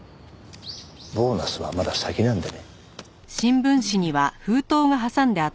ボーナスはまだ先なんでね。